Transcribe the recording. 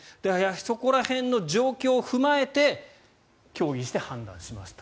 そこら辺の状況を踏まえて協議して判断しますと。